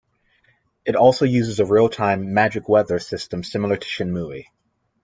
It also uses a real-time "Magic Weather" system similar to "Shenmue".